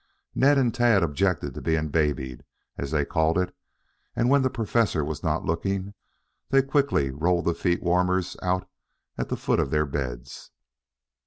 Ned and Tad objected to being "babied" as they called it, and when the Professor was not looking, they quickly rolled the feet warmers out at the foot of their beds.